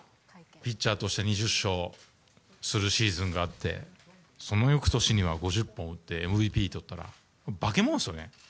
ピッチャーとして２０勝するシーズンがあって、そのよくとしには５０本打って、ＭＶＰ取ったら、化け物ですよね。